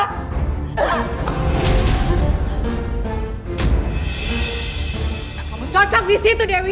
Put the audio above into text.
kamu cocok disitu dewi